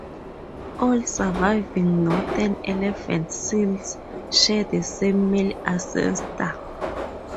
All surviving northern elephant seals share the same male ancestor.